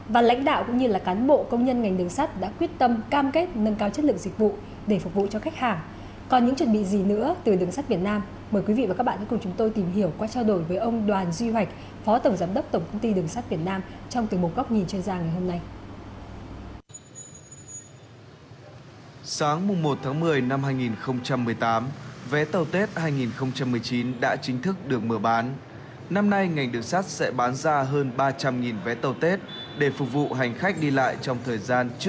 vâng thưa ông đoàn duy hoạnh vé tàu tết năm hai nghìn một mươi chín đã được ngành đường sắt mở bán từ ngày một tháng một mươi năm hai nghìn một mươi tám